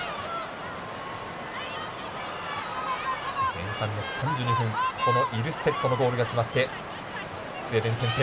前半の３２分イルステッドのボールが決まってスウェーデン先制。